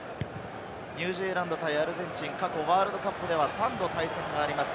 ニュージーランド対アルゼンチン、過去ワールドカップでは３度対戦があります。